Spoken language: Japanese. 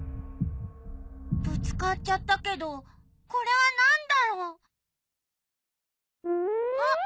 ぶつかっちゃったけどこれはなんだろう？